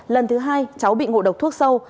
lần thứ hai cháu bị ngộ độc thuốc sâu